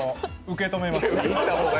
受け止めます。